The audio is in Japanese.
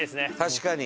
確かに。